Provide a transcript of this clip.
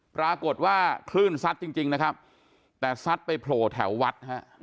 ปรากฏว่าคลื่นซัดจริงนะครับแต่ซัดไปโผล่แถววัดฮะ